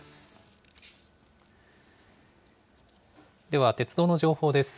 では鉄道の情報です。